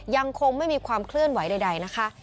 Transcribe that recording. ยังคงไม่มีความเคลื่อนไหวใดนะคะ